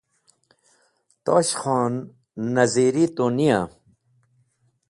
Tosh Khon naziri tu niya.